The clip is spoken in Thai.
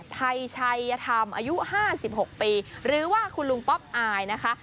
ไทยชัยธรรมอายุ๕๖ปีหรือว่าคุณลุงป๊อปอายนะคะ